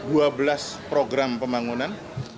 dalam program pembangunan